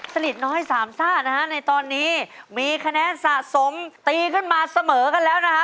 สนิทน้อยสามซ่านะฮะในตอนนี้มีคะแนนสะสมตีขึ้นมาเสมอกันแล้วนะฮะ